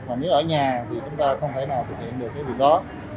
và nếu ở nhà thì chúng ta không thể nào thực hiện được cái việc đó